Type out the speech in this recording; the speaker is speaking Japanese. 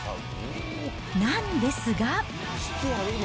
なんですが。